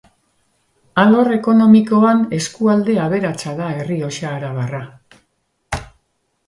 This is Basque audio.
Alor ekonomikoan, eskualde aberatsa da Errioxa Arabarra.